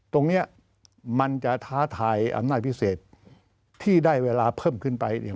ตรงนี้มันจะท้าทายอำนาจพิเศษที่ได้เวลาเพิ่มขึ้นไปเนี่ย